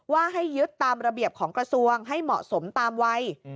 ให้ยึดตามระเบียบของกระทรวงให้เหมาะสมตามวัย